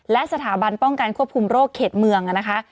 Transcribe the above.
และสถาบันป้องกันควบคุมโรคเขตเมืองนะคะ